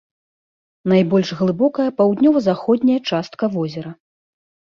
Найбольш глыбокая паўднёва-заходняя частка возера.